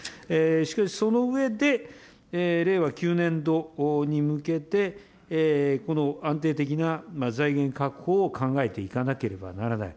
しかしその上で、令和９年度に向けてこの安定的な財源確保を考えていかなければならない。